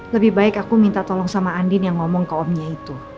lebih baik aku minta tolong sama andin yang ngomong ke omnya itu